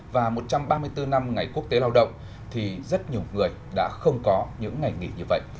và một trăm ba mươi bốn năm ngày quốc tế lao động thì rất nhiều người đã không có những ngày nghỉ như vậy